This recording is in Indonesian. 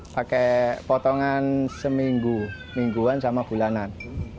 pakai potongan seminggu mingguan sama bulanan